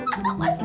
masih gak berhasil